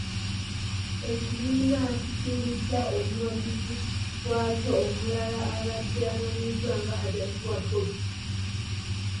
Ekibiina kifiiridde omuwagizi waakyo omulala abadde amanyiddwa nga ‘ Hajati wa Bobi’.